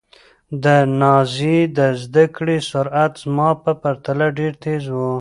د نازيې د زده کړې سرعت زما په پرتله ډېر تېز و.